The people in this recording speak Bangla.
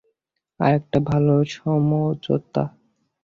আরেকটা ভাল সমঝোতা।